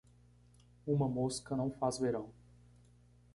Uma mosca não faz verão.